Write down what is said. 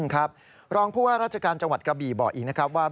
ครับรองผู้ว่าราชการจังหวัดกระบี่บอกอีกนะครับว่า